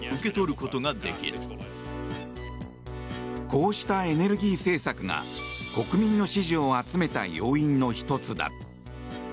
こうしたエネルギー政策が国民の支持を集めた要因の１つだ。